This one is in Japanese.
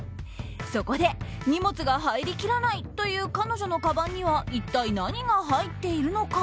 そこで荷物が入りきらないという彼女のかばんには一体何が入っているのか。